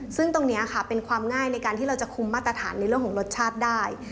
ซึ่งตรงนี้ค่ะเป็นความง่ายในการที่เราจะคุมมาตรฐานในเรื่องของรสชาติได้